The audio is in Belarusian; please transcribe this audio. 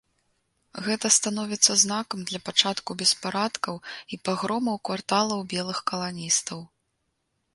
Гэта становіцца знакам для пачатку беспарадкаў і пагромаў кварталаў белых каланістаў.